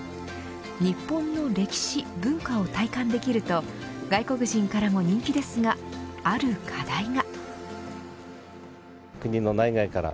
日本の歴史、文化を体感できると外国人からも人気ですがある課題が。